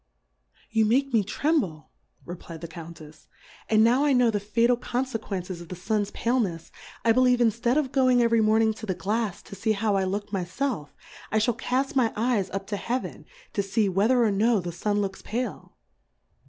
You make me tremble, re^ fly* d the Count tfs^ and now I know the fatal Confequences of the Sun's Pale nefs, I believe inftead of going every Morning to the Glafs, to fee how I look my felf, I fhall caft my Eyes up to Heaven, to fee whether or no the Sun looks pale.